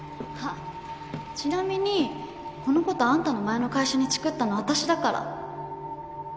ちなみにこのことあんたの前の会社にチクったの私だから。